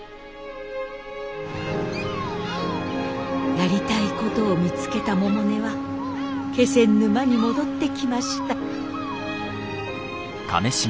やりたいことを見つけた百音は気仙沼に戻ってきました。